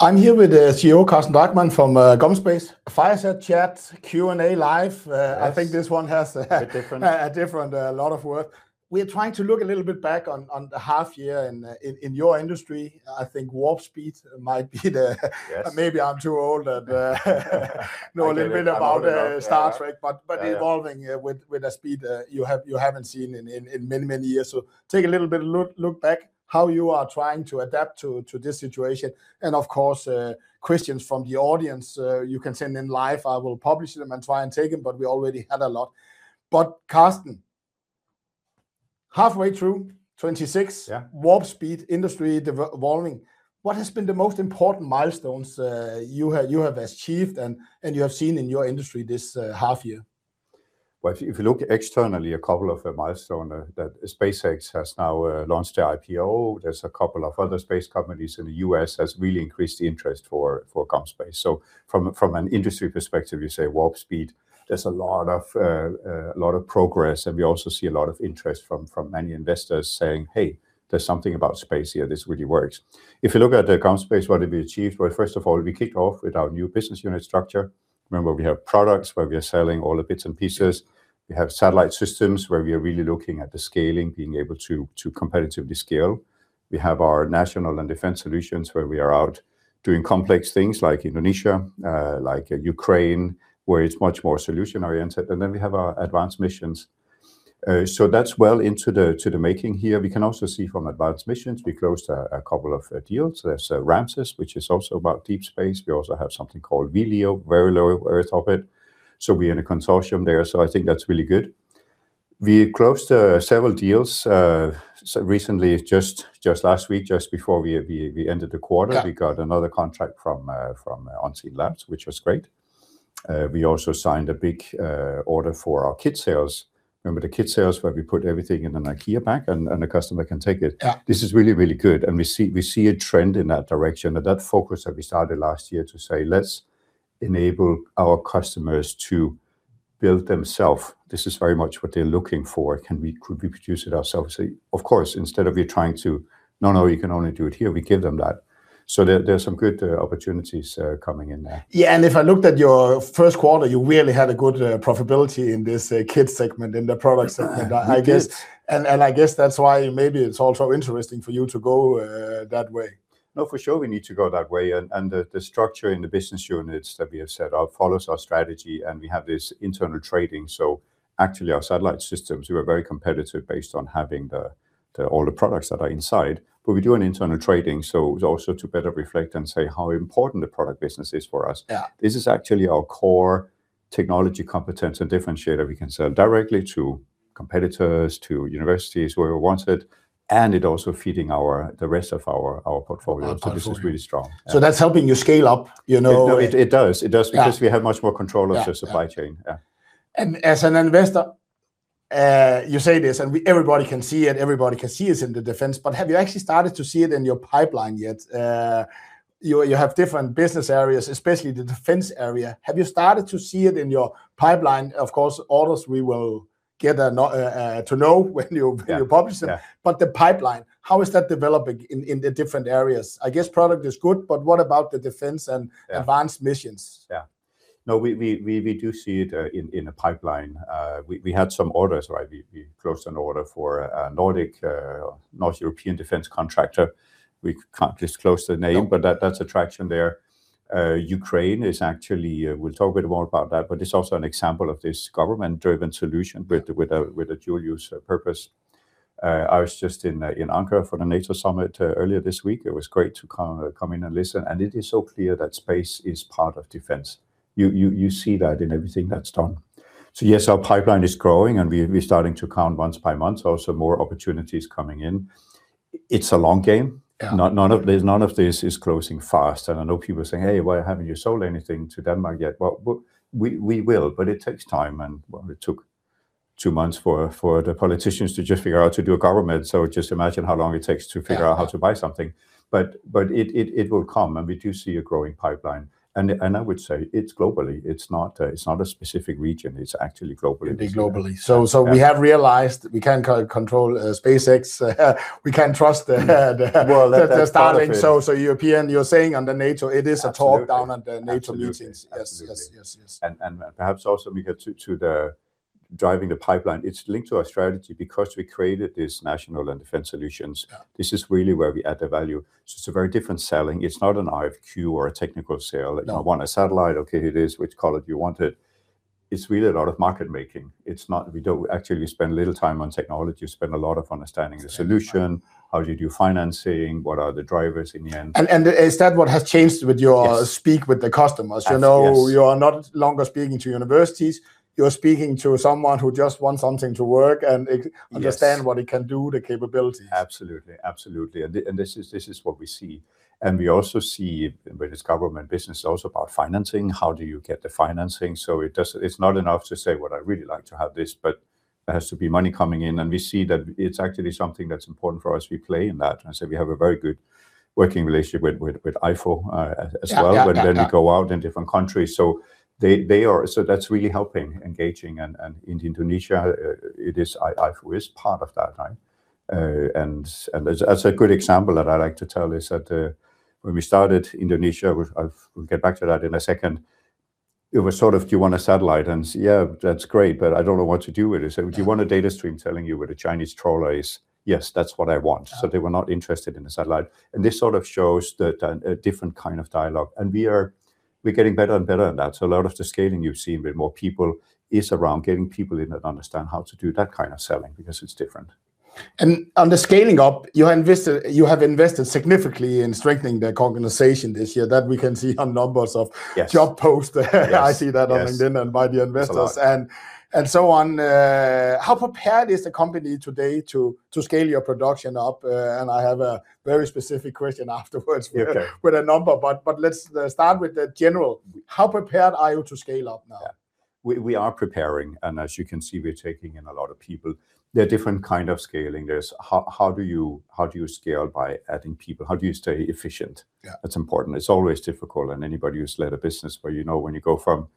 I'm here with the CEO Carsten Drachmann from GomSpace Fireside Chat Q&A live. Yes. I think this one has. A bit different a different, a lot of work. We are trying to look a little bit back on the half year in your industry. I think warp speed might be. Yes maybe I'm too old and- I get it. I'm old as well. I know a little bit about Star Trek, evolving with the speed you haven't seen in many years. Take a little bit look back how you are trying to adapt to this situation and, of course, questions from the audience. You can send in live. I will publish them and try and take them, but we already had a lot. Carsten, halfway through 2026 Yeah. warp speed, industry evolving. What has been the most important milestones you have achieved and you have seen in your industry this half year? Well, if you look externally, a couple of milestone that SpaceX has now launched their IPO. There's a couple of other space companies in the U.S., has really increased the interest for GomSpace. From an industry perspective, you say warp speed. There's a lot of progress, and we also see a lot of interest from many investors saying, hey, there's something about space here. This really works. If you look at the GomSpace, what have we achieved? Well, first of all, we kicked off with our new business unit structure. Remember, we have products where we are selling all the bits and pieces. We have satellite systems where we are really looking at the scaling, being able to competitively scale. We have our national and defense solutions where we are out doing complex things like Indonesia, like Ukraine, where it's much more solution-oriented. We have our advanced missions. That's well into the making here. We can also see from advanced missions, we closed a couple of deals. There's RAMSES, which is also about deep space. We also have something called VLEO, very low Earth orbit. We are in a consortium there, I think that's really good. We closed several deals recently, just last week, just before we ended the quarter. Yeah. We got another contract from Unseenlabs, which was great. We also signed a big order for our kit sales. Remember the kit sales where we put everything in an IKEA bag, and the customer can take it? Yeah. This is really, really good, and we see a trend in that direction, that focus that we started last year to say, let's enable our customers to build themself. This is very much what they're looking for. Could we produce it ourselves? Of course, instead of you trying to, no, no, you can only do it here, we give them that. There's some good opportunities coming in there. Yeah. If I looked at your first quarter, you really had a good profitability in this kit segment, in the product segment, I guess. We did. I guess that's why maybe it's also interesting for you to go that way. No, for sure we need to go that way. The structure in the business units that we have set up follows our strategy, and we have this internal trading. Actually, our satellite systems, we are very competitive based on having all the products that are inside. We do an internal trading, so it's also to better reflect and say how important the product business is for us. Yeah. This is actually our core technology competence and differentiator. We can sell directly to competitors, to universities where we want it, and it also feeding the rest of our portfolio. This is really strong. That's helping you scale up. It does. It does. Yeah. We have much more control of the supply chain. Yeah. As an investor, you say this, and everybody can see it, everybody can see us in the defense. Have you actually started to see it in your pipeline yet? You have different business areas, especially the defense area. Have you started to see it in your pipeline? Of course, orders we will get to know when you publish them. Yeah. The pipeline, how is that developing in the different areas? I guess product is good, but what about the defense and advanced missions? Yeah. No, we do see it in the pipeline. We had some orders, right? We closed an order for a Nordic, North European defense contractor. We can't disclose the name- That's a traction there. Ukraine is actually, we'll talk a bit more about that, but it's also an example of this government-driven solution with a dual use purpose. I was just in Ankara for the NATO Summit earlier this week. It was great to come in and listen, and it is so clear that space is part of defense. You see that in everything that's done. Yes, our pipeline is growing, and we're starting to count month-by-month, also more opportunities coming in. It's a long game. Yeah. None of this is closing fast. I know people are saying, hey, why haven't you sold anything to Denmark yet? Well, we will, but it takes time, and it took two months for the politicians to just figure out to do a government. Just imagine how long it takes to figure out how to buy something. It will come, and we do see a growing pipeline. I would say it's globally. It's not a specific region. It's actually globally this year. It is globally. Yeah. We have realized we can't control SpaceX. We can trust Well, that's part of it. the Starlink. European, you're saying under NATO, it is a talk down at the NATO meetings. Absolutely. Yes. Perhaps also we get to the driving the pipeline. It's linked to our strategy because we created this national and defense solutions. Yeah. This is really where we add the value. It is a very different selling. It is not an RFQ or a technical sale. No. I want a satellite. Okay, here it is. Which color do you want it? It is really a lot of market-making. We do not actually spend a little time on technology. We spend a lot of understanding the solution. How do you do financing? What are the drivers in the end? Is that what has changed with Yes speak with the customers? Yes. You are no longer speaking to universities. You're speaking to someone who just wants something to work and- Yes understand what it can do, the capabilities. Absolutely. This is what we see. We also see with this government business also about financing, how do you get the financing? It's not enough to say, well, I'd really like to have this, but there has to be money coming in. We see that it's actually something that's important for us. We play in that. We have a very good working relationship with IFU as well- Yeah when then we go out in different countries. That's really helping engaging. In Indonesia, IFU is part of that. That's a good example that I like to tell is that when we started Indonesia, we'll get back to that in a second. It was sort of, do you want a satellite? Yeah, that's great, but I don't know what to do with it. They said, do you want a data stream telling you where the Chinese trawler is? Yes, that's what I want. Yeah. They were not interested in the satellite. This sort of shows a different kind of dialogue, and we are getting better and better at that. A lot of the scaling you've seen with more people is around getting people in that understand how to do that kind of selling because it's different. On the scaling up, you have invested significantly in strengthening the organization this year. That we can see on numbers of Yes job posts there. Yes. I see that on LinkedIn and by the investors It's a lot and so on. How prepared is the company today to scale your production up? I have a very specific question afterwards Okay with a number, let's start with the general. How prepared are you to scale up now? Yeah. We are preparing, as you can see, we are taking in a lot of people. There are different kinds of scaling. There's how do you scale by adding people? How do you stay efficient? Yeah. That's important. It's always difficult, anybody who's led a business where you know when you go from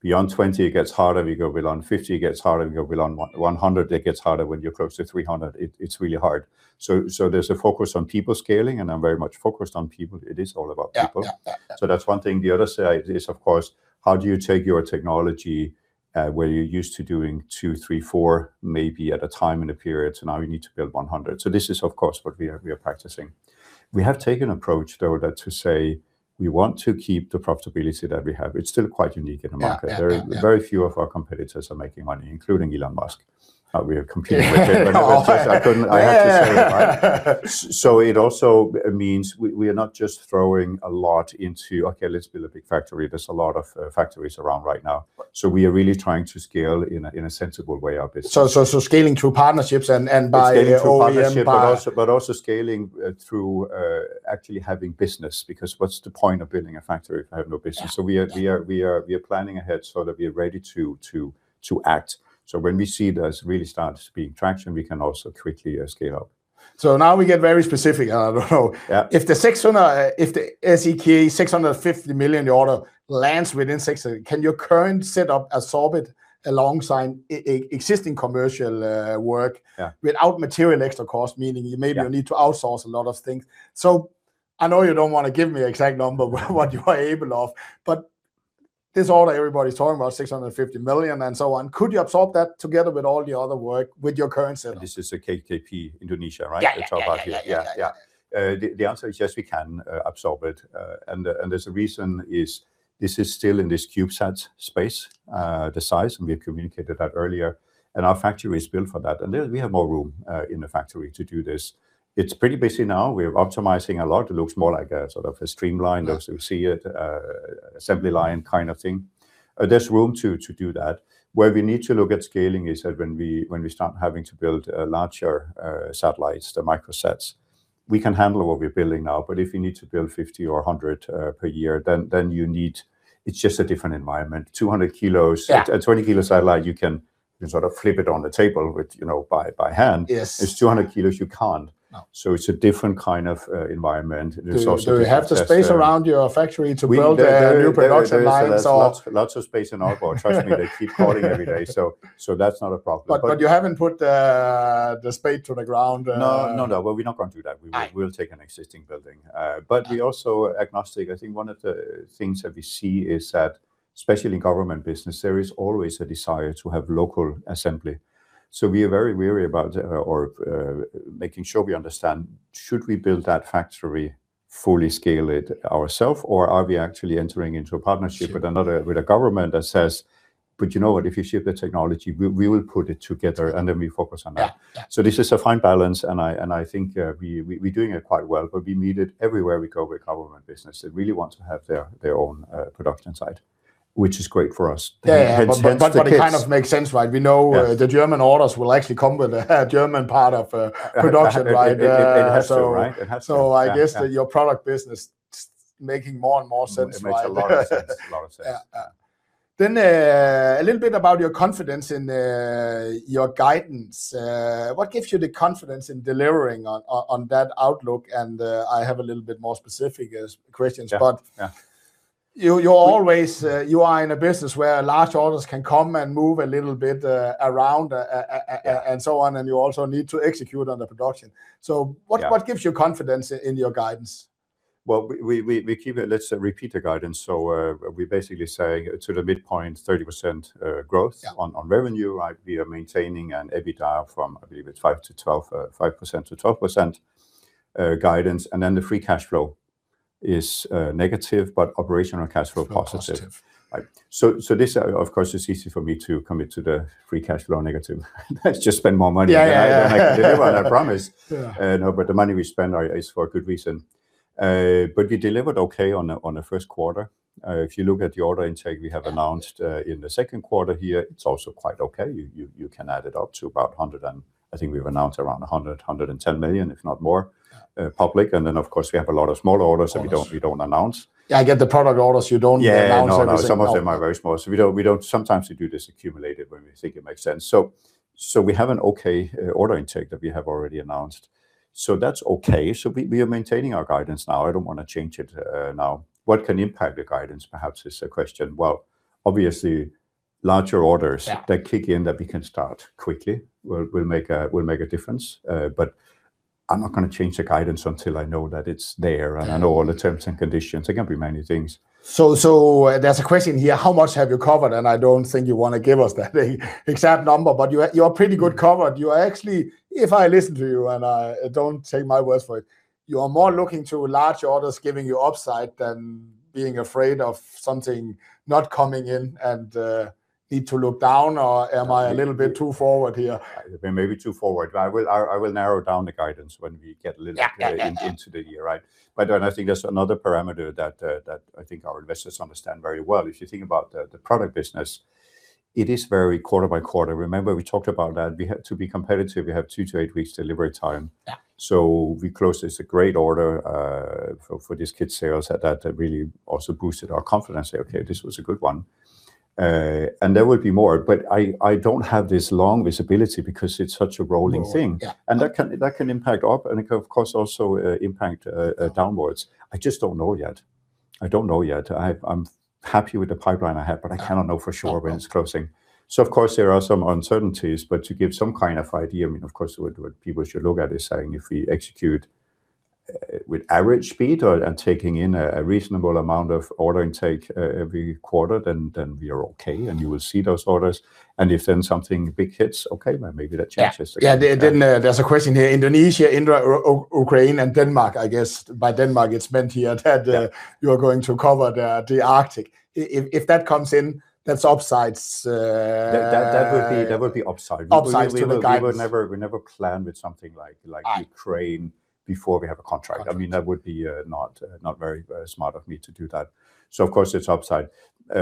beyond 20, it gets harder. You go beyond 50, it gets harder. You go beyond 100, it gets harder. When you approach the 300, it's really hard. There's a focus on people scaling, and I'm very much focused on people. It is all about people. Yeah. That's one thing. The other side is, of course, how do you take your technology, where you're used to doing two, three, four maybe at a time in a period to now you need to build 100? This is, of course, what we are practicing. We have taken approach, though, that to say we want to keep the profitability that we have. It's still quite unique in the market. Yeah. Very few of our competitors are making money, including Elon Musk. We are competing with him. Oh. I have to say. It also means we are not just throwing a lot into, okay, let's build a big factory. There's a lot of factories around right now. Right. We are really trying to scale in a sensible way up. Scaling through partnerships and by OEM partner. Scaling through partnership, but also scaling through actually having business because what's the point of building a factory if I have no business? Yeah. We are planning ahead so that we are ready to act. When we see this really start to be traction, we can also quickly scale up. Now we get very specific. I don't know. Yeah. If the SEK 650 million order lands within six, can your current setup absorb it alongside existing commercial work, Yeah without material extra cost? Meaning maybe you need to outsource a lot of things. I know you don't want to give me exact number what you are able of, but this order everybody's talking about, 650 million and so on, could you absorb that together with all the other work with your current setup? This is the KKP Indonesia, right? Yeah. That's what about here. Yeah. Yeah. The answer is yes, we can absorb it. There's a reason is this is still in this CubeSats space, the size, we have communicated that earlier, and our factory is built for that. We have more room in the factory to do this. It's pretty busy now. We are optimizing a lot. It looks more like a sort of a streamlined- Yeah you'll see it, assembly line kind of thing. There's room to do that. Where we need to look at scaling is that when we start having to build larger satellites, the microsats. We can handle what we're building now, but if you need to build 50 or 100 per year, it's just a different environment. 200 kls. Yeah. A 20-kl satellite, you can sort of flip it on the table by hand. Yes. If it's 200 kls, you can't. No. It's a different kind of environment. There's also different tests there. Do you have the space around your factory to build the new production lines or? There's lots of space in Aalborg. Trust me. They keep calling every day. That's not a problem. You haven't put the spade to the ground. No. Well, we're not going to do that. Right. We'll take an existing building. We also agnostic. I think one of the things that we see is that, especially in government business, there is always a desire to have local assembly. We are very wary about or making sure we understand should we build that factory, fully scale it ourself, or are we actually entering into a partnership with a government that says, but you know what? If you ship the technology, we will put it together, and then we focus on that. Yeah. This is a fine balance, and I think we're doing it quite well, but we meet it everywhere we go with government business. They really want to have their own production site, which is great for us. Yeah. Hence the kits. It kind of makes sense, right? Yes The German orders will actually come with a German part of production, right? It has to, right? It has to. I guess that your product business making more and more sense, right? It makes a lot of sense. Yeah. A little bit about your confidence in your guidance. What gives you the confidence in delivering on that outlook? I have a little bit more specific questions. Yeah. You are in a business where large orders can come and move a little bit around, and so on, and you also need to execute on the production. What gives you confidence in your guidance? Well, let's repeat the guidance. We're basically saying to the midpoint, 30% growth- Yeah on revenue, right? We are maintaining an EBITDA from, I believe it's 5%-12% guidance, and then the free cash flow is negative, but operational cash flow positive. Positive. Right. This, of course, is easy for me to commit to the free cash flow negative. Let's just spend more money. Yeah. I don't like to deliver on a promise. Yeah. The money we spend is for a good reason. We delivered okay on the first quarter. If you look at the order intake we have announced in the second quarter here, it is also quite okay. You can add it up to about 100 million and I think we have announced around 100 million-110 million, if not more, public. Then, of course, we have a lot of smaller orders Orders that we do not announce. I get the product orders you do not announce everything. Some of them are very small. Sometimes we do this accumulated when we think it makes sense. We have an okay order intake that we have already announced. That is okay. We are maintaining our guidance now. I do not want to change it now. What can impact the guidance, perhaps, is the question. Well, obviously, larger orders Yeah that kick in that we can start quickly will make a difference. I'm not going to change the guidance until I know that it's there, and I know all the terms and conditions. There can be many things. There's a question here, how much have you covered? I don't think you want to give us that exact number, but you're pretty good covered. You are actually, if I listen to you, and don't take my word for it, you are more looking to large orders giving you upside than being afraid of something not coming in and need to look down, or am I a little bit too forward here? You may be too forward, but I will narrow down the guidance when we get a little Yeah into the year, right? By the way, I think that's another parameter that I think our investors understand very well. If you think about the product business, it is very quarter by quarter. Remember, we talked about that. To be competitive, we have two to eight weeks delivery time. Yeah. We closed this great order for this kit sales that really also boosted our confidence. Okay, this was a good one. There will be more, but I don't have this long visibility because it's such a rolling thing. Yeah. That can impact up and, of course, also impact downwards. I just don't know yet. I don't know yet. I'm happy with the pipeline I have, but I cannot know for sure when it's closing. Of course, there are some uncertainties, but to give some kind of idea, of course, what people should look at is saying if we execute with average speed and taking in a reasonable amount of order intake every quarter, then we are okay, and you will see those orders. If then something big hits, okay, maybe that changes again. Yeah. There's a question here, Indonesia, Indra, Ukraine, and Denmark. I guess by Denmark, it's meant here that you're going to cover the Arctic. If that comes in, that's upsides That would be upside. upsides to the guidance. We never plan with something like Ukraine before we have a contract. That would be not very smart of me to do that. Of course, it's upside.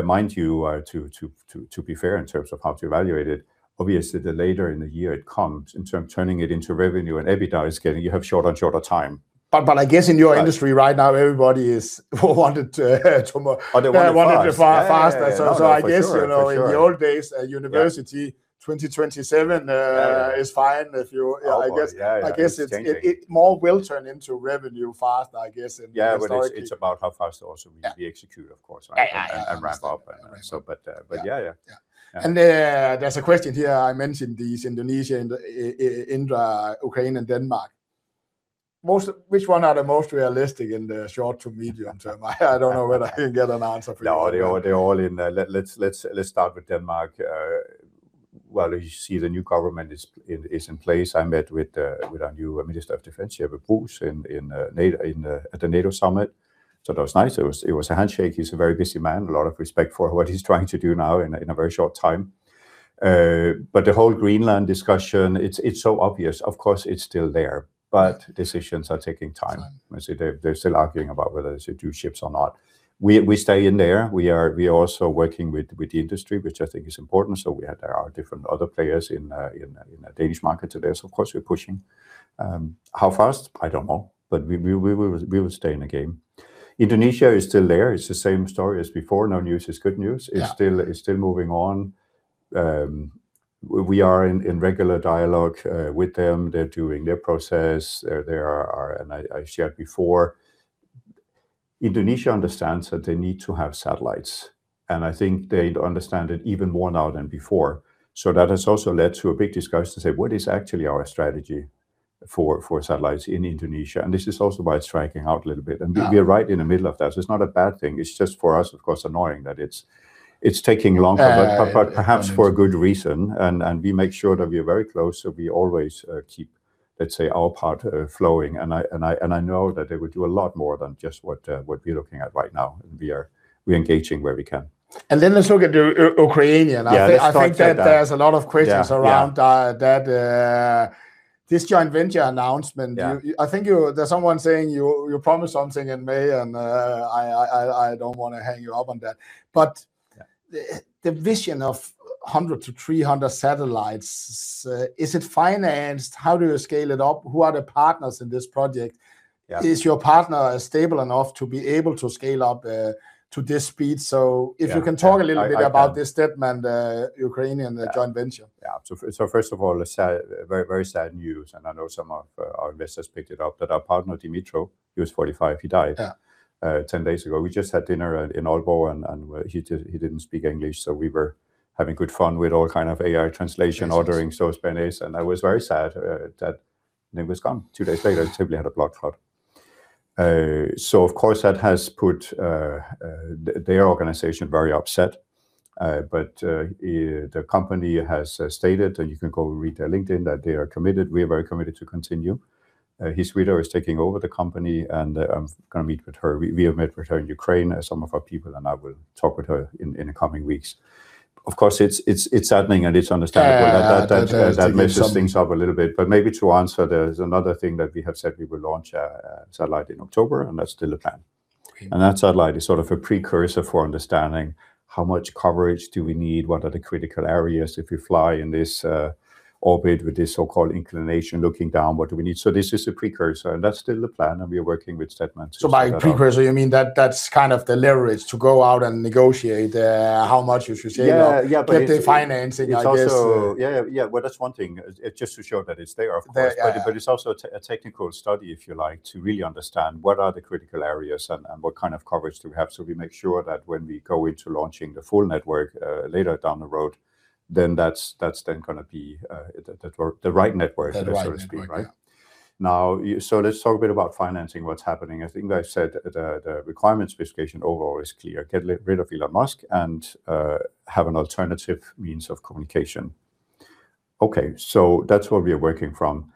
Mind you, to be fair in terms of how to evaluate it, obviously the later in the year it comes, in terms of turning it into revenue and EBITDA, you have shorter and shorter time. I guess in your industry right now, everybody is wanting to tomorrow. They want it fast. They want it fast. Yeah. For sure. I guess, in the old days at university, 2027 is fine if you Yeah. It's changing I guess more will turn into revenue fast, I guess, in the historic- Yeah, it's about how fast also we execute, of course, right? Yeah. Ramp-up. Yeah. Yeah. There's a question here. I mentioned these Indonesia, Indra, Ukraine, and Denmark. Which one are the most realistic in the short-to medium-term? I don't know whether I can get an answer for that. No, they are all in. Let's start with Denmark. Well, you see, the new government is in place. I met with our new Minister of Defense, Jeppe Bruus, at the NATO Summit. That was nice. It was a handshake. He is a very busy man. A lot of respect for what he is trying to do now in a very short time. The whole Greenland discussion, it is so obvious. Of course, it is still there, but decisions are taking time. Time. They are still arguing about whether they should do ships or not. We stay in there. We are also working with the industry, which I think is important. There are different other players in the Danish market today. Of course, we are pushing. How fast? I do not know. We will stay in the game. Indonesia is still there. It is the same story as before. No news is good news. Yeah. It is still moving on. We are in regular dialogue with them. They are doing their process. I shared before, Indonesia understands that they need to have satellites, and I think they understand it even more now than before. That has also led to a big discussion to say, what is actually our strategy for satellites in Indonesia? This is also why it is dragging out a little bit, and we are right in the middle of that. It is not a bad thing. It is just for us, of course, annoying that it is taking longer. Yeah. Perhaps for a good reason, and we make sure that we are very close, so we always keep, let us say, our part flowing. I know that they will do a lot more than just what we are looking at right now, and we are engaging where we can. Let's look at the Ukrainian. Yeah. Let's talk to that. I think that there's a lot of questions around that. This joint venture announcement. Yeah. I think there's someone saying you promised something in May, and I don't want to hang you up on that. The vision of 100 to 300 satellites, is it financed? How do you scale it up? Who are the partners in this project? Yeah. Is your partner stable enough to be able to scale up to this speed? If you can talk a little bit about this STETMAN Ukrainian joint venture. First of all, very sad news, I know some of our investors picked it up that our partner, Dmytro, he was 45. He died 10 days ago. We just had dinner in Aalborg, he didn't speak English, we were having good fun with all kind of AI translation ordering sauce béarnaise, that was very sad that he was gone two days later. Simply had a blood clot. Of course, that has put their organization very upset. The company has stated, you can go read their LinkedIn, that they are committed. We are very committed to continue. His widow is taking over the company, I'm going to meet with her. We have met with her in Ukraine, some of our people, I will talk with her in the coming weeks. Of course, it's saddening and it's understandable. That makes. That messes things up a little bit. Maybe to answer, there's another thing that we have said we will launch a satellite in October, that's still the plan. Okay. That satellite is sort of a precursor for understanding how much coverage do we need, what are the critical areas if you fly in this orbit with this so-called inclination looking down, what do we need? This is a precursor, and that's still the plan, and we are working with STETMAN to set that up. By precursor, you mean that's kind of the leverage to go out and negotiate how much you should scale up. Yeah. Get the financing, I guess. That's one thing. Just to show that it's there, of course. There, yeah. It's also a technical study, if you like, to really understand what are the critical areas and what kind of coverage do we have so we make sure that when we go into launching the full network later down the road, then that's then going to be the right network, so to speak. Let's talk a bit about financing, what's happening. I think I said the requirements specification overall is clear. Get rid of Elon Musk and have an alternative means of communication. Okay, so that's where we are working from.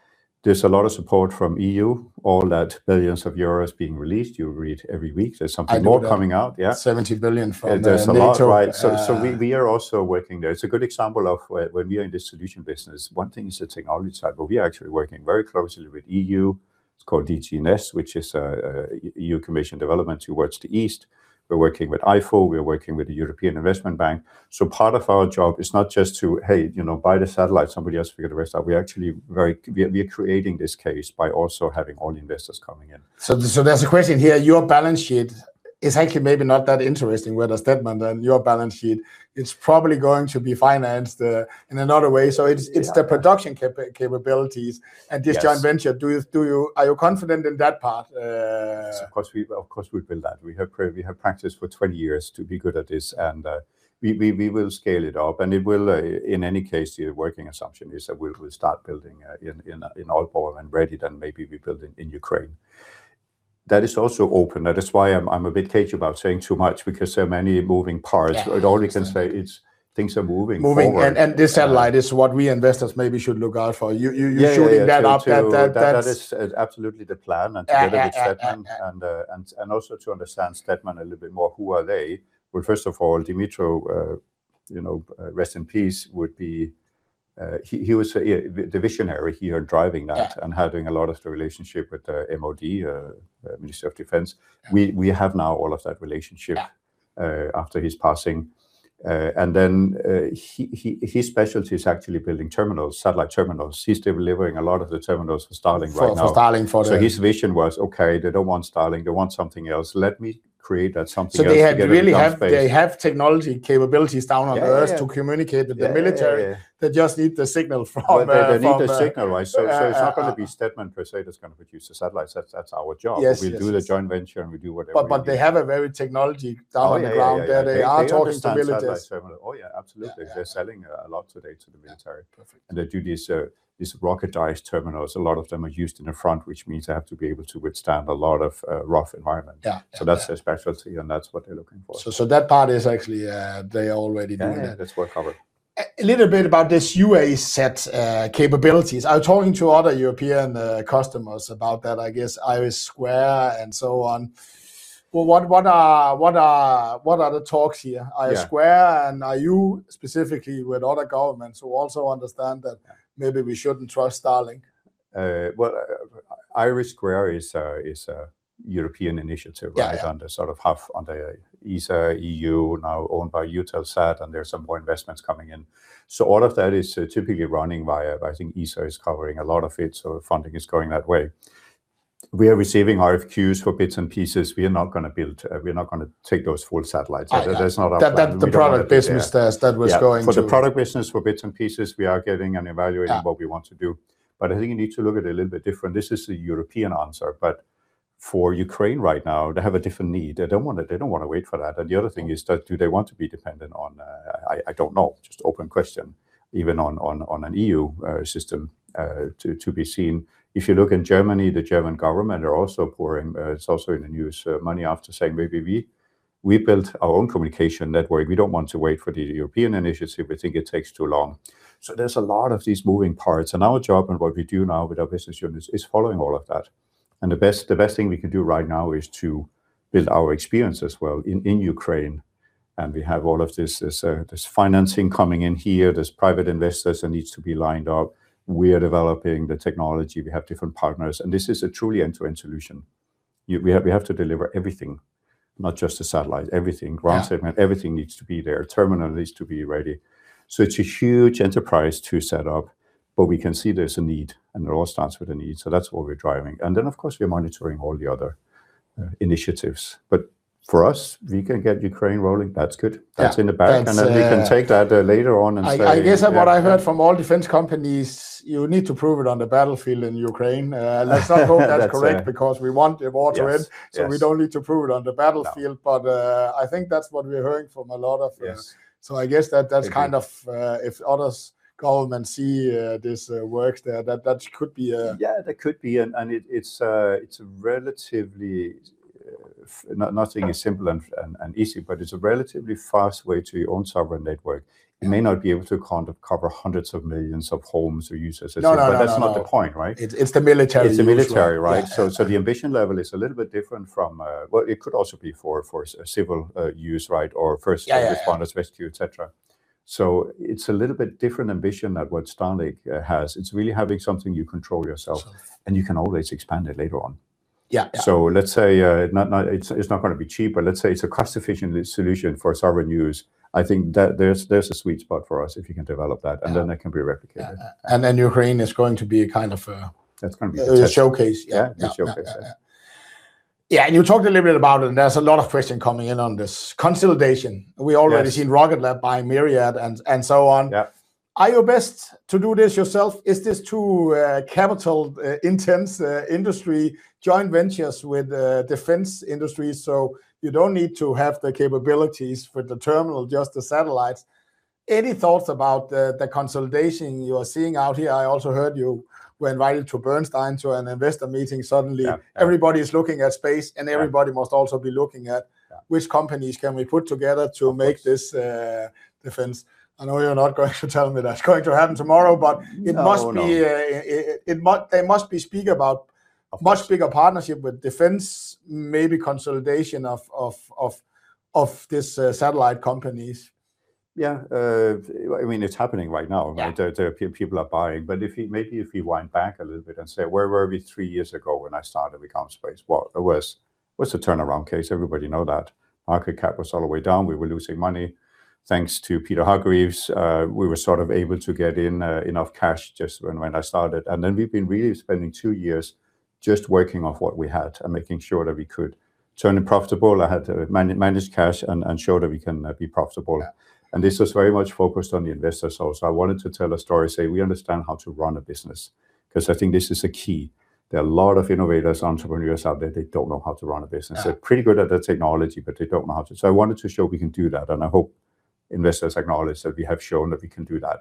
There's a lot of support from EU, all that billions of euros being released. You read every week there's something more coming out. Yeah. I read 70 billion from NATO. There's a lot. We are also working there. It's a good example of when we are in the solution business, one thing is the technology side, but we are actually working very closely with EU. It's called DG ENEST, which is a EU Commission development towards the east. We're working with IFU, we are working with the European Investment Bank. Part of our job is not just to, hey, buy the satellite, somebody else figure the rest out. We are creating this case by also having all investors coming in. There's a question here. Your balance sheet is actually maybe not that interesting. Whether STETMAN and your balance sheet, it's probably going to be financed in another way. It's the production capabilities and this joint venture. Yes. Are you confident in that part? Of course we build that. We have practiced for 20 years to be good at this, and we will scale it up, and it will, in any case, the working assumption is that we'll start building in Aalborg when ready, then maybe we build in Ukraine. That is also open. That is why I'm a bit cagey about saying too much because there are many moving parts. Yeah. All I can say is things are moving forward. Moving. This satellite is what we investors maybe should look out for. You're showing that up. Yeah. That is absolutely the plan. Together with STETMAN and also to understand STETMAN a little bit more, who are they? Well, first of all, Dmytro, rest in peace, he was the visionary here driving that. Yeah. Having a lot of the relationship with the MOD, Ministry of Defense. We have now all of that relationship Yeah after his passing. His specialty is actually building terminals, satellite terminals. He's delivering a lot of the terminals for Starlink right now. For Starlink. His vision was, okay, they don't want Starlink. They want something else. Let me create that something else together with GomSpace. They have technology capabilities down on the earth to communicate with the military. Yeah. They just need the signal from the Well, they need the signal. Right. It's not going to be STETMAN per se that's going to produce the satellites. That's our job. Yes. We do the joint venture and we do whatever we do. They have a very technology down on the ground. Oh, yeah. They are talking to militaries. They understand satellite terminal. Oh, yeah. Absolutely. Yeah. They're selling a lot today to the military. Yeah. Perfect. They do these ruggedized terminals. A lot of them are used in the front, which means they have to be able to withstand a lot of rough environments. Yeah. That's their specialty and that's what they're looking for. That part is actually, they are already doing that. Yeah. That's well-covered. A little bit about this UA set capabilities. I was talking to other European customers about that, I guess, IRIS² and so on. What are the talks here? Yeah. IRIS² and are you specifically with other governments who also understand that maybe we shouldn't trust Starlink? IRIS² is a European initiative, right? Yeah. It's under sort of half under ESA, EU, now owned by Eutelsat, there are some more investments coming in. All of that is typically running via, I think ESA is covering a lot of it, so funding is going that way. We are receiving RFQs for bits and pieces. We are not going to take those full satellites. That's not our play. We don't have The product business test that was going to Yeah. For the product business, for bits and pieces, we are getting and evaluating what we want to do. I think you need to look at it a little bit different. This is the European answer, but for Ukraine right now, they have a different need. They don't want to wait for that. The other thing is that do they want to be dependent on I don't know, just open question. Even on an EU system, to be seen. If you look in Germany, the German government are also pouring, it's also in the news, money after saying, maybe we build our own communication network. We don't want to wait for the European initiative. We think it takes too long. There's a lot of these moving parts, and our job and what we do now with our business unit is following all of that. The best thing we can do right now is to build our experience as well in Ukraine. We have all of this financing coming in here. There's private investors that needs to be lined up. We are developing the technology. We have different partners, and this is a truly end-to-end solution. We have to deliver everything, not just the satellite. Everything. Yeah. Ground segment, everything needs to be there. Terminal needs to be ready. It's a huge enterprise to set up, but we can see there's a need, and it all starts with the need. That's what we're driving. Then of course, we are monitoring all the other initiatives. For us, we can get Ukraine rolling. That's good. Yeah. That's in the bag. We can take that later on. I guess what I heard from all defense companies, you need to prove it on the battlefield in Ukraine. That's it. Let's not hope that's correct, because we want a war to end. Yes. We don't need to prove it on the battlefield. No. I think that's what we're hearing from a lot of. Yes I guess that's kind of, if others go and see this works there, that could be a. Yeah, that could be and it's a relatively, nothing is simple and easy, but it's a relatively fast way to your own sovereign network. Yeah. You may not be able to cover hundreds of millions of homes or users. No That's not the point, right? It's the military usually. It's the military, right? Yeah. The ambition level is a little bit different from, well, it could also be for civil use, right? Or. Yeah Responders, rescue, et cetera. It's a little bit different ambition than what Starlink has. It's really having something you control yourself, and you can always expand it later on. Yeah. Let's say, it's not going to be cheap, but let's say it's a cost-efficient solution for sovereign use. I think that there's a sweet spot for us if you can develop that can be replicated. Yeah. Ukraine is going to be kind of a That's going to be the test showcase. Yeah. Yeah. A showcase. Yeah, you talked a little bit about it, and there's a lot of question coming in on this. Consolidation. Yes. We already seen Rocket Lab buying Mynaric and so on. Yeah. Are you best to do this yourself? Is this too capital intense industry joint ventures with defense industries, so you don't need to have the capabilities for the terminal, just the satellites? Any thoughts about the consolidation you are seeing out here? I also heard you were invited to Bernstein to an Investor meeting. Yeah Everybody's looking at space. Yeah. Everybody must also be looking at. Yeah which companies can we put together to make this. Of course. Defense. I know you're not going to tell me that's going to happen tomorrow, it must be. Oh, no. It must speak about a much bigger partnership with defense, maybe consolidation of these satellite companies. Yeah. It's happening right now. Yeah. People are buying. Maybe if we wind back a little bit and say, where were we three years ago when I started with GomSpace? Well, it was a turnaround case. Everybody knows that. Market cap was all the way down. We were losing money. Thanks to Peter Hargreaves, we were sort of able to get in enough cash just when I started. Then we've been really spending two years just working off what we had and making sure that we could turn it profitable. I had to manage cash and show that we can be profitable. Yeah. This was very much focused on the investor source, I wanted to tell a story, say, we understand how to run a business, because I think this is a key. There are a lot of innovators, entrepreneurs out there, they don't know how to run a business. Yeah. They're pretty good at the technology, but they don't know how to. I wanted to show we can do that, and I hope investors acknowledge that we have shown that we can do that.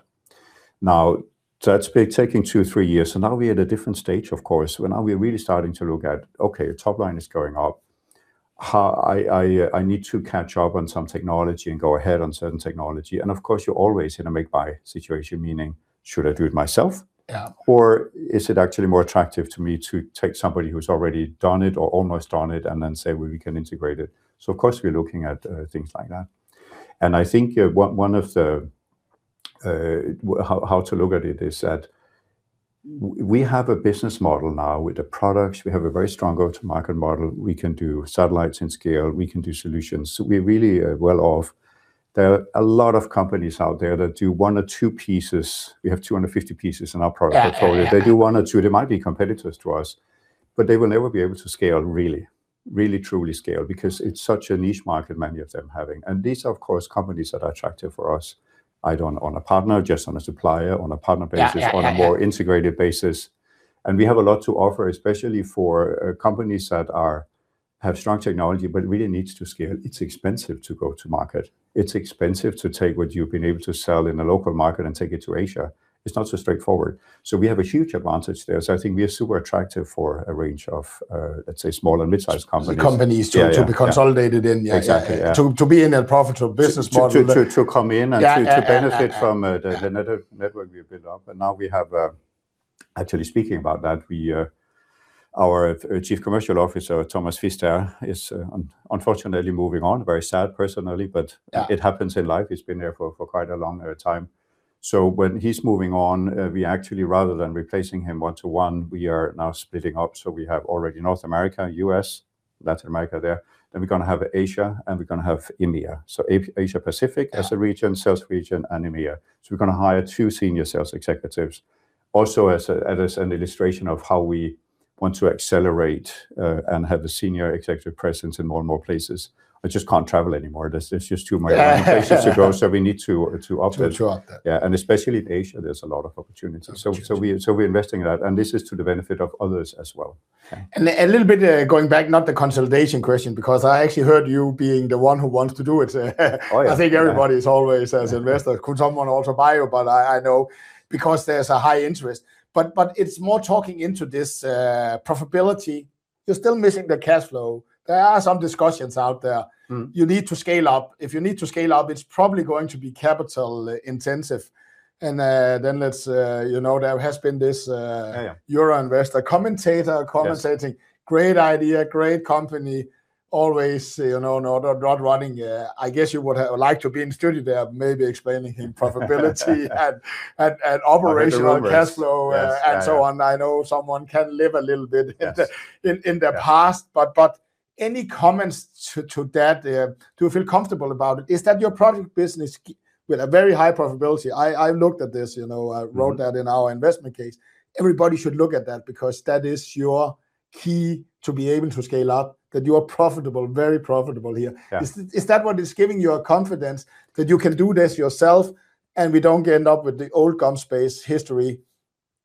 Now, that's been taking two or three years, and now we are at a different stage, of course. When are we really starting to look at, okay, top-line is going up. I need to catch up on some technology and go ahead on certain technology, and of course, you're always in a make-buy situation, meaning should I do it myself? Yeah. Is it actually more attractive to me to take somebody who's already done it or almost done it and then say, well, we can integrate it? Of course, we are looking at things like that. I think how to look at it is that we have a business model now with the products. We have a very strong go-to-market model. We can do satellites in scale. We can do solutions. We are really well off. There are a lot of companies out there that do one or two pieces. We have 250 pieces in our product portfolio. Yeah. They do one or two. They might be competitors to us, but they will never be able to scale really. Really, truly scale because it's such a niche market many of them having. These are, of course, companies that are attractive for us, either on a partner, just on a supplier, on a partner basis. Yeah On a more integrated basis. We have a lot to offer, especially for companies that have strong technology but really needs to scale. It's expensive to go to market. It's expensive to take what you've been able to sell in a local market and take it to Asia. It's not so straightforward. We have a huge advantage there. I think we are super attractive for a range of, let's say, small and mid-sized companies. companies Yeah to be consolidated in Exactly, yeah. To be in a profitable business model. To come in and Yeah to benefit from the network we've built up. Now we have, actually, speaking about that, our Chief Commercial Officer, Thomas Pfister, is unfortunately moving on. Very sad personally. Yeah It happens in life. He's been there for quite a long time. When he's moving on, we actually, rather than replacing him one-to-one, we are now splitting up. We have already North America, U.S., Latin America there. We're going to have Asia, and we're going to have EMEA. Asia Pacific as a region. Yeah. Sales region and EMEA. We're going to hire two senior sales executives. Also as an illustration of how we want to accelerate, and have a Senior Executive presence in more and more places. I just can't travel anymore. There's just too much places to go, we need to up it. To up that. Yeah. Especially in Asia, there's a lot of opportunities. opportunities. We're investing in that, and this is to the benefit of others as well. A little bit, going back, not the consolidation question, because I actually heard you being the one who wants to do it. Oh, yes. I think everybody's always as investor could someone also buy you. I know because there's a high interest. It's more talking into this profitability. You're still missing the cash flow. There are some discussions out there. You need to scale up. If you need to scale up, it's probably going to be capital intensive. Then there has been this Yeah Euro investor commentator commentating. Yeah. Great idea, great company. Always not running. I guess you would like to be in studio there, maybe explaining him profitability and operational cash flow- Yes So on. I know someone can live a little bit in the- Yes in the past. Yeah. Any comments to that? Do you feel comfortable about it? Is that your product business with a very high profitability? I looked at this. I wrote that in our investment case. Everybody should look at that because that is your key to be able to scale up, that you are profitable, very profitable here. Yeah. Is that what is giving you a confidence that you can do this yourself and we don't end up with the old GomSpace history?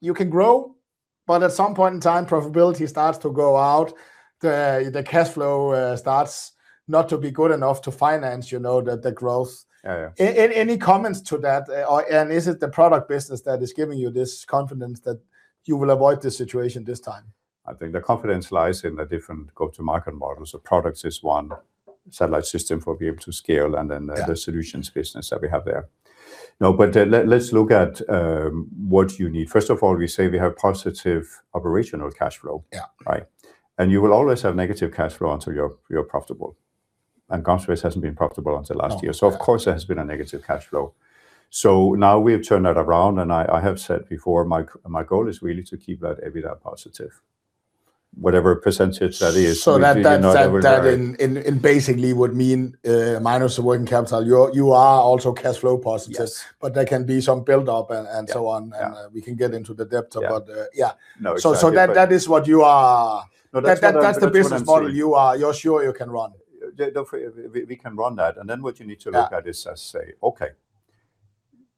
You can grow, but at some point in time, profitability starts to go out. The cash flow starts not to be good enough to finance the growth. Yeah. Any comments to that? Is it the product business that is giving you this confidence that you will avoid this situation this time? I think the confidence lies in the different go-to-market models. The products is one, satellite system for be able to scale, and then the solutions business that we have there. Let's look at what you need. First of all, we say we have positive operational cash flow. Yeah. Right. You will always have negative cash flow until you're profitable. GomSpace hasn't been profitable until last year. No. Of course, there has been a negative cash flow. Now we have turned that around, and I have said before, my goal is really to keep that EBITDA positive, whatever percentage that is. That in basically would mean, minus the working capital, you are also cash flow positive. Yes. There can be some build-up and so on. Yeah. We can get into the depth of that. Yeah. Yeah. No, exactly. That is what you are No, that's what I'm seeing. That's the business model you're sure you can run. We can run that, and then what you need to look at is and say, okay,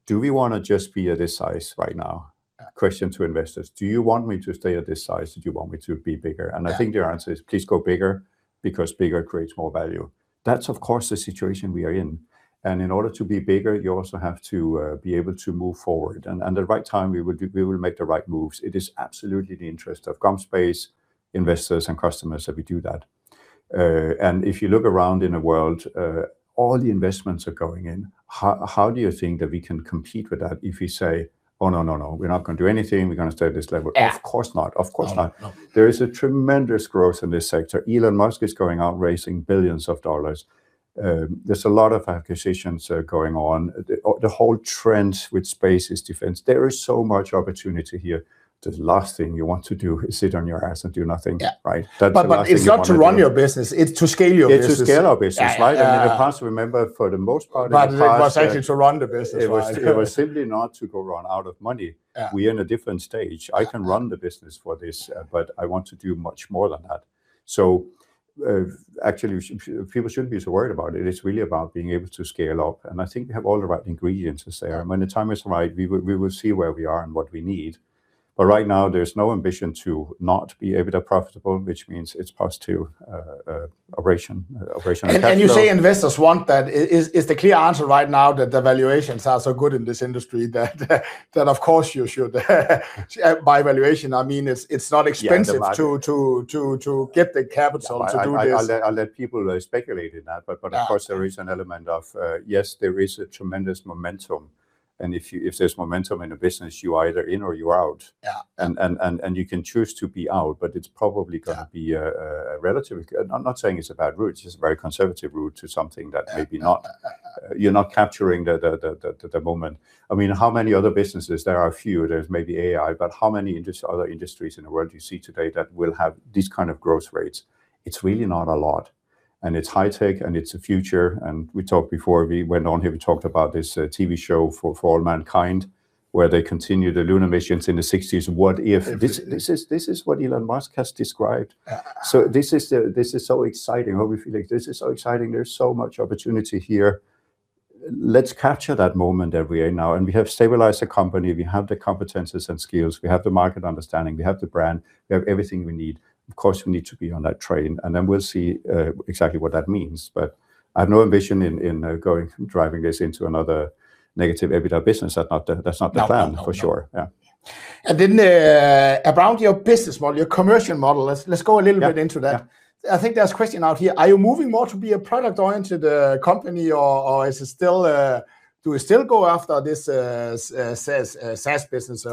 do we want to just be at this size right now? Question to investors, do you want me to stay at this size? Do you want me to be bigger? Yeah. I think their answer is, please go bigger, because bigger creates more value. That's of course, the situation we are in. In order to be bigger, you also have to be able to move forward. At the right time, we will make the right moves. It is absolutely in the interest of GomSpace investors and customers that we do that. If you look around in the world, all the investments are going in. How do you think that we can compete with that if we say, oh, no. We're not going to do anything. We're going to stay at this level. Yeah. Of course not. No. There is a tremendous growth in this sector. Elon Musk is going out raising billions of dollars. There's a lot of acquisitions going on. The whole trend with space is defense. There is so much opportunity here. The last thing you want to do is sit on your ass and do nothing. Yeah. Right? That's the last thing you want to do. It's not to run your business, it's to scale your business. It's to scale our business. Yeah. Right? In the past, remember, for the most part in the past. It was actually to run the business right. It was simply not to go run out of money. Yeah. We are in a different stage. I can run the business for this, but I want to do much more than that. Actually, people shouldn't be so worried about it. It's really about being able to scale up, and I think we have all the right ingredients to say. When the time is right, we will see where we are and what we need. Right now, there's no ambition to not be EBITDA profitable, which means it's positive operational cash flow. You say investors want that. Is the clear answer right now that the valuations are so good in this industry that of course you should? By valuation, I mean it's not expensive. Yeah, the market to get the capital to do this. I'll let people speculate in that. Yeah. Of course, there is an element of, yes, there is a tremendous momentum, and if there's momentum in a business, you're either in or you're out. Yeah. You can choose to be out, but it's probably going to be a relatively conservative route to something that maybe you're not capturing the moment. How many other businesses, there are a few, there's maybe AI, but how many other industries in the world do you see today that will have these kind of growth rates? It's really not a lot. It's high tech and it's the future, and before we went on here, we talked about this TV show, For All Mankind, where they continue the lunar missions in the '60s. What if? This is what Elon Musk has described. Yeah. This is so exciting, how we feel like this is so exciting. There's so much opportunity here. Let's capture that moment that we are in now. We have stabilized the company. We have the competencies and skills. We have the market understanding. We have the brand. We have everything we need. Of course, we need to be on that train, and then we'll see exactly what that means. I have no ambition in driving this into another negative EBITDA business. That's not the plan. No. For sure. Yeah. Around your business model, your commercial model, let's go a little bit into that. Yeah. I think there's question out here. Are you moving more to be a product-oriented company, or do we still go after this SaaS business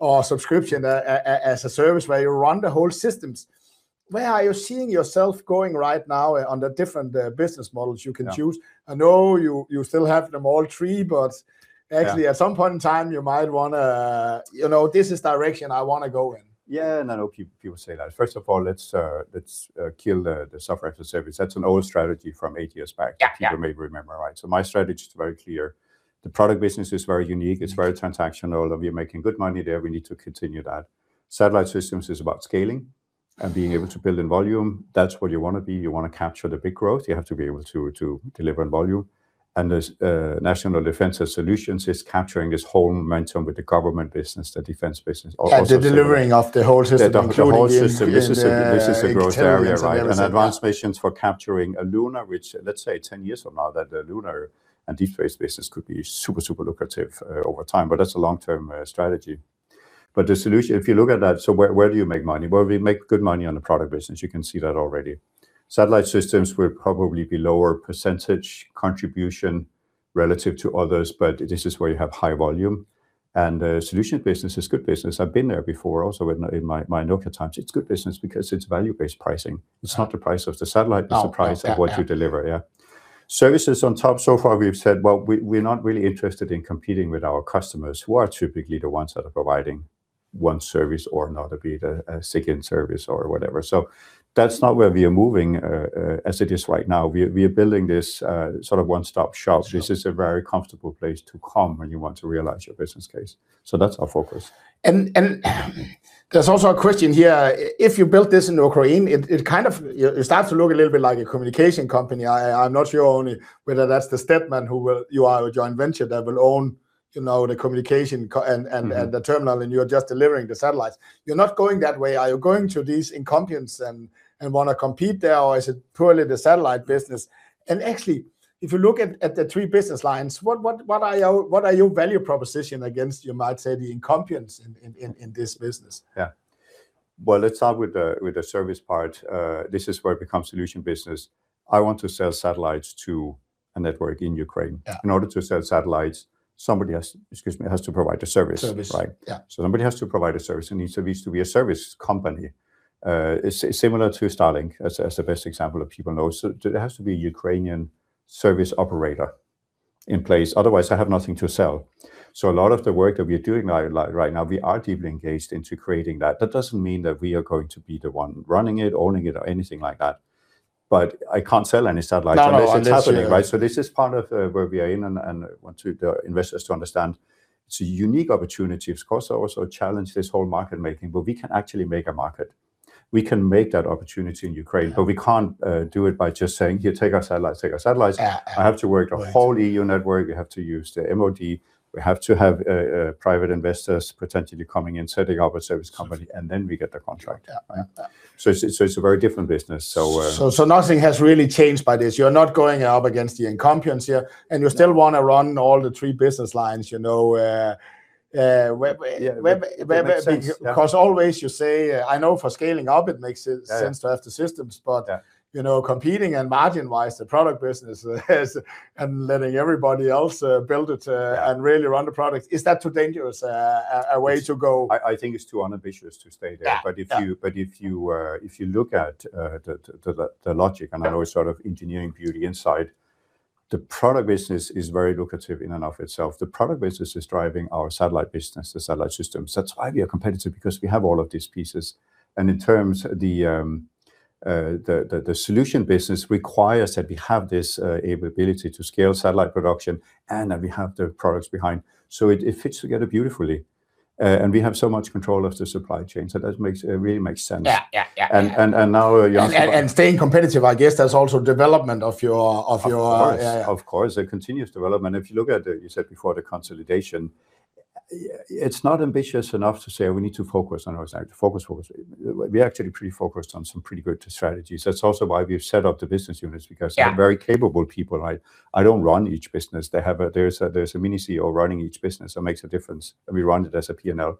or Subscription as a Service where you run the whole systems? Where are you seeing yourself going right now under different business models you can choose? Yeah. I know you still have them all three. Yeah At some point in time, you might want to, this is the direction I want to go in. Yeah, I know people say that. First of all, let's kill the Software as a Service. That's an old strategy from eight years back. Yeah. People may remember, right? My strategy is very clear. The product business is very unique. It's very transactional. We are making good money there. We need to continue that. Satellite systems is about scaling and being able to build in volume. That's where you want to be. You want to capture the big growth, you have to be able to deliver in volume. There's National Defense and Solutions is capturing this whole momentum with the government business, the defense business. Yeah, the delivering of the whole system including in the the whole system. This is the growth area, right? Advanced missions for capturing a lunar, which let's say 10 years from now, that the lunar and defense business could be super lucrative over time, but that's a long-term strategy. The solution, if you look at that, where do you make money? Well, we make good money on the product business. You can see that already. Satellite systems will probably be lower percentage contribution relative to others, but this is where you have high volume. The solutions business is good business. I've been there before also in my Nokia times. It's good business because it's value-based pricing. It's not the price of the satellite. Oh, yeah. It's the price of what you deliver. Yeah. Services on top, so far we've said, well, we're not really interested in competing with our customers, who are typically the ones that are providing one service or another, be it a SIGINT service or whatever. That's not where we are moving as it is right now. We are building this sort of one-stop shop. Sure. This is a very comfortable place to come when you want to realize your business case. That's our focus. There's also a question here. If you built this in Ukraine, it starts to look a little bit like a communication company. I'm not sure only whether that's the STETMAN who you are a joint venture that will own the communication and the terminal, and you're just delivering the satellites. You're not going that way. Are you going to these incumbents and want to compete there, or is it purely the satellite business? Actually, if you look at the three business lines, what are your value proposition against, you might say, the incumbents in this business? Yeah. Well, let's start with the service part. This is where it becomes solution business. I want to sell satellites to a network in Ukraine. Yeah. In order to sell satellites, somebody has, excuse me, has to provide a service. Service. Right? Yeah. Somebody has to provide a service and needs to be a service company. Similar to Starlink, as the best example that people know. There has to be a Ukrainian service operator in place. Otherwise, I have nothing to sell. A lot of the work that we are doing right now, we are deeply engaged into creating that. That doesn't mean that we are going to be the one running it, owning it, or anything like that, but I can't sell any satellites unless. No, that's happening Unless I do, right? This is part of where we are in and want the investors to understand. It's a unique opportunity. Of course, I also challenge this whole market making, but we can actually make a market. We can make that opportunity in Ukraine, but we can't do it by just saying, here, take our satellites. I have to work the whole EU network. We have to use the MOD. We have to have private investors potentially coming in, setting up a service company, and then we get the contract. Yeah. It's a very different business. Nothing has really changed by this. You're not going up against the incumbents here, and you still want to run all the three business lines. Yeah. That makes sense. Yeah. Because always you say, I know for scaling up, it makes sense Yeah to have the systems. Yeah. Competing margin-wise, the product business is, letting everybody else build it and Yeah really run the product. Is that too dangerous a way to go? I think it's too unambitious to stay there. Yeah. If you look at the logic- Yeah I know it's sort of engineering beauty inside, the product business is very lucrative in and of itself. The product business is driving our satellite business, the satellite systems. That's why we are competitive, because we have all of these pieces. In terms, the solution business requires that we have this ability to scale satellite production and that we have the products behind. It fits together beautifully. We have so much control of the supply chain, that really makes sense. Yeah. Now- Staying competitive, I guess that's also development of your- Of course. Yeah. Of course, a continuous development. If you look at, you said before, the consolidation, it's not ambitious enough to say, we need to focus on our satellite. Focus, focus. We're actually pretty focused on some pretty good strategies. That's also why we've set up the business units, because- Yeah they're very capable people. I don't run each business. There's a mini CEO running each business. It makes a difference, and we run it as a P&L.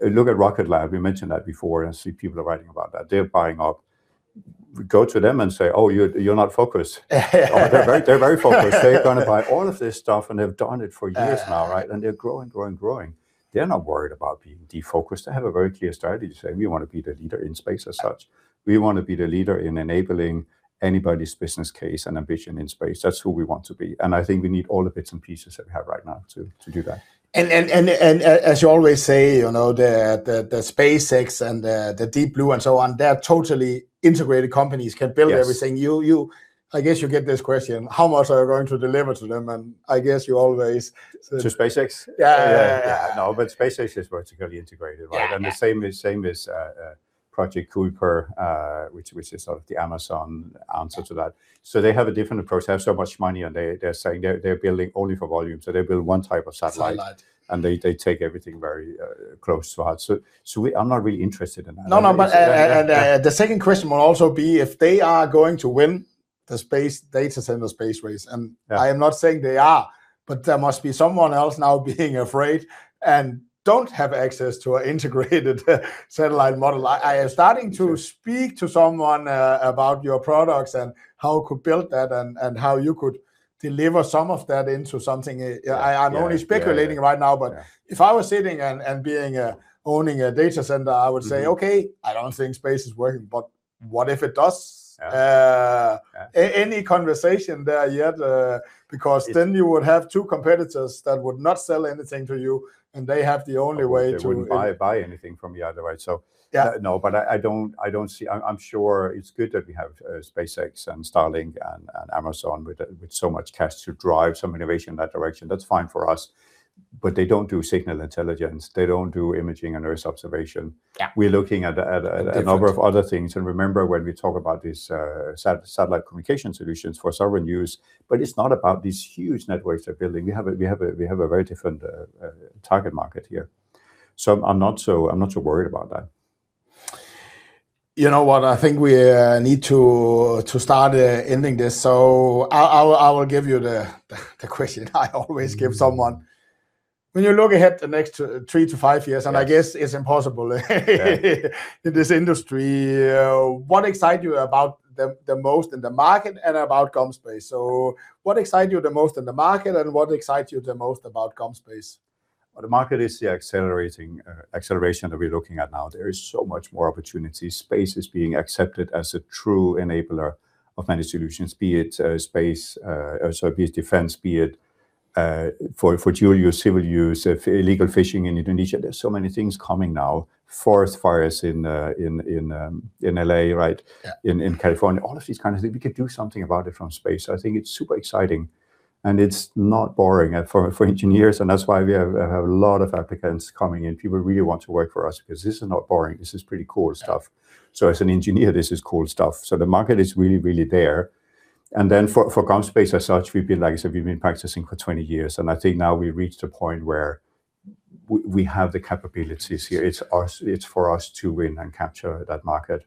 Look at Rocket Lab, we mentioned that before, and see people are writing about that. They're buying up. Go to them and say, oh, you're not focused. Oh, they're very focused. They're going to buy all of this stuff, and they've done it for years now, right? They're growing. They're not worried about being defocused. They have a very clear strategy saying, we want to be the leader in space as such. We want to be the leader in enabling anybody's business case and ambition in space. That's who we want to be. I think we need all the bits and pieces that we have right now to do that. As you always say, the SpaceX and the Blue Origin and so on, they're totally integrated companies, can build everything. Yes. I guess you get this question, how much are you going to deliver to them? I guess you always. To SpaceX? Yeah. Yeah. No, SpaceX is vertically integrated, right? Yeah. The same with Project Kuiper, which is sort of the Amazon answer to that. They have a different approach. They have so much money, and they're saying they're building only for volume, so they build one type of satellite. Satellite. They take everything very close to heart. I'm not really interested in that. No. Yeah The second question would also be, if they are going to win the space data center space race. Yeah I am not saying they are, there must be someone else now being afraid and don't have access to an integrated satellite model. I am starting to speak to someone about your products and how we could build that, and how you could deliver some of that into something. Yeah. I'm only speculating right now, but if I were sitting and owning a data center, I would say, okay, I don't think space is working, but what if it does? Yeah. Any conversation there yet? You would have two competitors that would not sell anything to you, and they have the only way. They wouldn't buy anything from me either, right? Yeah I'm sure it's good that we have SpaceX and Starlink and Amazon with so much cash to drive some innovation in that direction. That's fine for us. They don't do signal intelligence. They don't do imaging and earth observation. Yeah. We're looking at Different a number of other things. Remember when we talk about these satellite communication solutions for sovereign use, it's not about these huge networks they're building. We have a very different target market here. I'm not so worried about that. You know what? I think we need to start ending this. I will give you the question I always give someone. When you look ahead the next three to five years. Yeah I guess it's impossible. Yeah In this industry, what excites you about the most in the market and about GomSpace? What excites you the most in the market, and what excites you the most about GomSpace? Well, the market is the acceleration that we're looking at now. There is so much more opportunity. Space is being accepted as a true enabler of many solutions, be it space, be it defense, be it for dual use, civil use, illegal fishing in Indonesia. There are so many things coming now. Forest fires in L.A., right? Yeah. In California. All of these kind of things. We could do something about it from space. I think it's super exciting, and it's not boring for engineers, and that's why we have a lot of applicants coming in. People really want to work for us because this is not boring. This is pretty cool stuff. Yeah. As an engineer, this is cool stuff. The market is really, really there. For GomSpace as such, like I said, we've been practicing for 20 years, and I think now we reached a point where we have the capabilities here. It's for us to win and capture that market.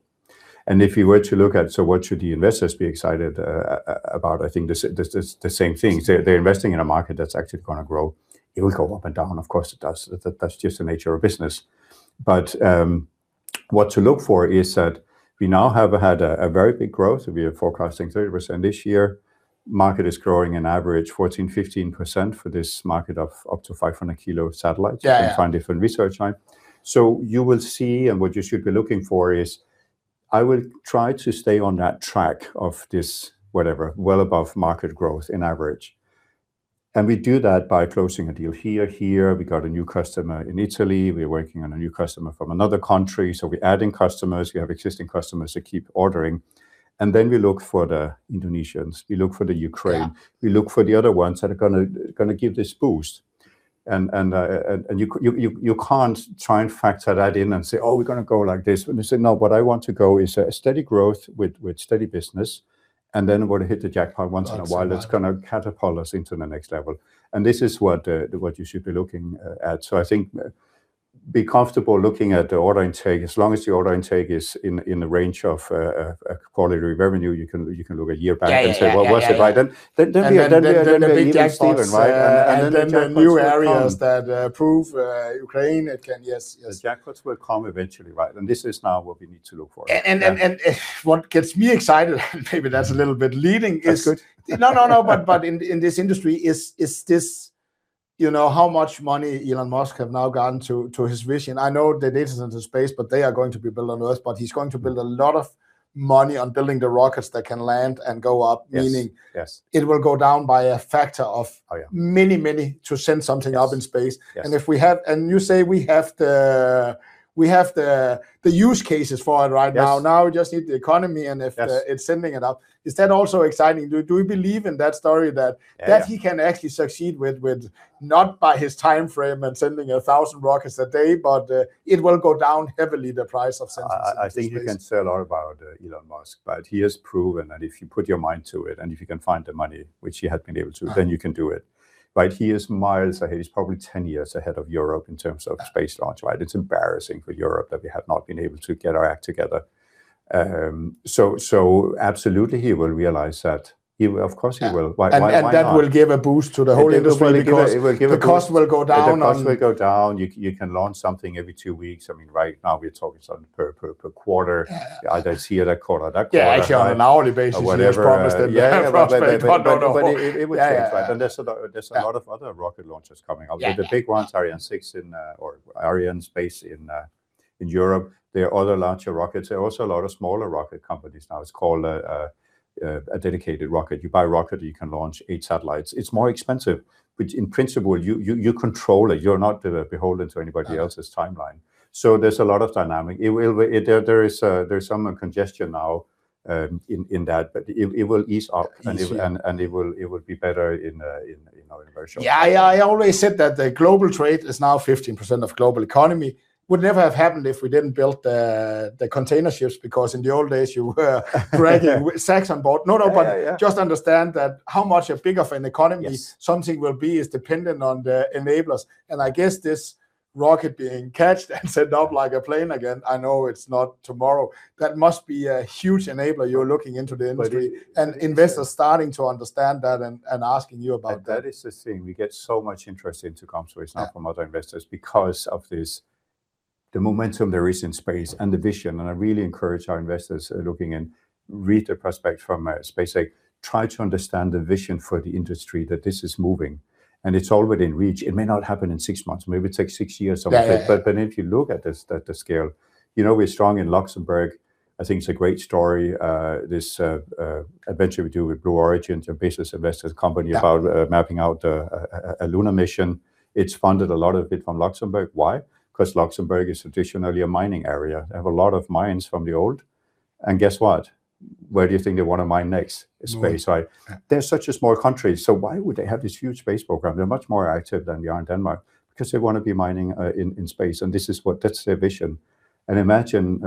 If you were to look at, what should the investors be excited about? I think the same thing. They're investing in a market that's actually going to grow. It will go up and down, of course it does. That's just the nature of business. But what to look for is that we now have had a very big growth. We are forecasting 30% this year. Market is growing an average 14%-15% for this market of up to 500 kls of satellites. Yeah. You can find different research. You will see, and what you should be looking for is, I will try to stay on that track of this, whatever, well above market growth in average. We do that by closing a deal here. We got a new customer in Italy. We're working on a new customer from another country. We're adding customers. We have existing customers that keep ordering. Then we look for the Indonesians, we look for the Ukraine. Yeah. We look for the other ones that are going to give this boost. You can't try and factor that in and say, oh, we're going to go like this. When you say no, what I want to go is a steady growth with steady business Then we're going to hit the jackpot once in a while- Oh, it's a matter- that's going to catapult us into the next level. This is what you should be looking at. I think be comfortable looking at the order intake. As long as the order intake is in the range of quarterly revenue, you can look a year back- Yeah Say, well, worth it, right? The big jackpot. Even right. The jackpots will come. The new areas that prove Ukraine, it can, yes. The jackpots will come eventually, right? This is now what we need to look for. Yeah. What gets me excited, maybe that's a little bit leading. That's good. No, in this industry is this, how much money Elon Musk have now gotten to his vision. I know that this isn't his space, they are going to be built on Earth, he's going to build a lot of money on building the rockets that can land and go up Yes meaning it will go down by a factor of- Oh, yeah many to send something up in space. Yes. You say we have the use cases for it right now. Yes. Now we just need the economy and Yes it's sending it up. Is that also exciting? Do you believe in that story. Yeah that he can actually succeed with not by his timeframe and sending 1,000 rockets a day, but it will go down heavily, the price of sending something to space. I think you can say a lot about Elon Musk, he has proven that if you put your mind to it, and if you can find the money, which he had been able. Right You can do it. He is miles ahead. He's probably 10 years ahead of Europe in terms of space launch, right? It's embarrassing for Europe that we have not been able to get our act together. Absolutely, he will realize that. Of course he will. Why not? That will give a boost to the whole industry. It will give a boost. Because the cost will go down on. The cost will go down. You can launch something every two weeks. Right now we're talking something per quarter. Yeah. This year, that quarter, that quarter. Yeah, actually on an hourly basis. Whatever. he has promised them. Yeah. Not on a whole year. It will change. Right. There's a lot of other rocket launches coming. Yeah. The big ones, Ariane 6 or Arianespace in Europe. There are other launcher rockets. There are also a lot of smaller rocket companies now. It's called a dedicated rocket. You buy a rocket, you can launch eight satellites. It's more expensive, in principle, you control it. You're not beholden to anybody else's timeline. There's a lot of dynamic. There's some congestion now in that, it will ease up. Ease. It will be better in commercial. I already said that the global trade is now 15% of global economy. Would never have happened if we didn't build the container ships, because in the old days, you were Yeah bringing sacks on board. No. Yeah just understand that how much bigger of an economy- Yes something will be is dependent on the enablers, I guess this rocket being caught and sent up like a plane again, I know it's not tomorrow. That must be a huge enabler. You're looking into the industry- It- Investors starting to understand that and asking you about that. That is the thing. We get so much interest into GomSpace now. Yeah from other investors because of this. The momentum there is in space and the vision, and I really encourage our investors looking in, read the prospect from space, try to understand the vision for the industry, that this is moving and it's already in reach. It may not happen in six months, maybe it takes six years. Yeah If you look at the scale. We are strong in Luxembourg. I think it's a great story. This adventure we do with Blue Origin to invest this company. Yeah about mapping out a lunar mission. It's funded a lot of it from Luxembourg. Why? Because Luxembourg is traditionally a mining area. They have a lot of mines from the old. Guess what? Where do you think they want to mine next? Moon. Space, right. They're such a small country, why would they have this huge space program? They're much more active than we are in Denmark because they want to be mining in space, and that's their vision. Imagine,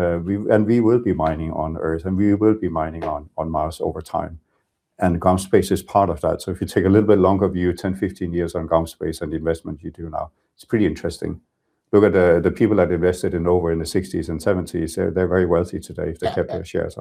we will be mining on Earth, and we will be mining on Mars over time. GomSpace is part of that. If you take a little bit longer view, 10-15 years on GomSpace and the investment you do now, it's pretty interesting. Look at the people that invested in Novo in the '60s and '70s. They're very wealthy today- Yeah if they kept their shares.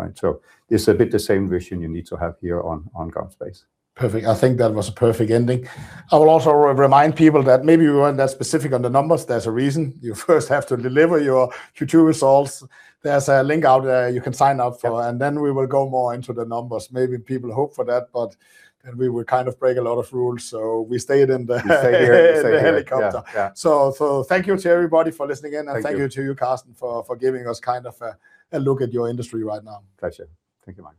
It's a bit the same vision you need to have here on GomSpace. Perfect. I think that was a perfect ending. I will also remind people that maybe we weren't that specific on the numbers. There's a reason. You first have to deliver your Q2 results. There's a link out there you can sign up for. Yeah. We will go more into the numbers. Maybe people hope for that, we would kind of break a lot of rules, we stayed in the- We stay here. We stay here. Yeah helicopter. Yeah. Thank you to everybody for listening in. Thank you. Thank you to you, Carsten, for giving us kind of a look at your industry right now. Pleasure. Thank you, Mike